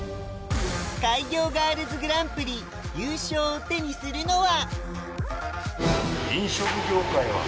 開業ガールズグランプリ優勝を手にするのは？